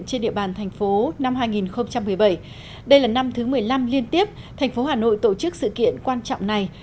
trên địa bàn thành phố năm hai nghìn một mươi bảy đây là năm thứ một mươi năm liên tiếp thành phố hà nội tổ chức sự kiện quan trọng này